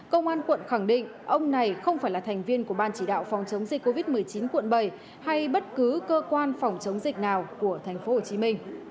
công an quận khẳng định ông này không phải là thành viên của ban chỉ đạo phòng chống dịch covid một mươi chín quận bảy hay bất cứ cơ quan phòng chống dịch nào của tp hcm